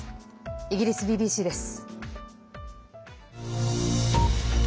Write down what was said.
イギリスＢＢＣです。